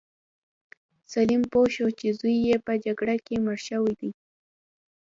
سلیم پوه شو چې زوی یې په جګړه کې مړ شوی دی.